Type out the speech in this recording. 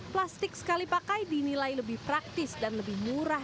plastik sekali pakai dinilai lebih praktis dan lebih murah